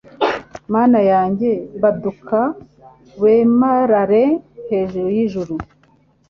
Mana yanjye baduka wemarare hejuru y’ijuru